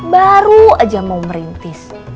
baru aja mau merintis